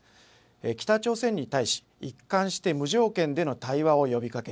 北朝鮮に対し一貫して無条件での対話を呼びかけ